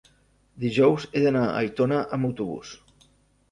dijous he d'anar a Aitona amb autobús.